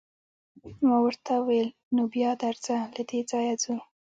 ما ورته وویل: نو بیا درځه، له دې ځایه ځو.